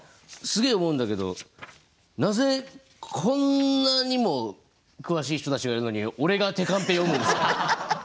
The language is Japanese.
すげえ思うんだけどなぜこんなにも詳しい人たちがいるのに俺が手カンペ読むんですか？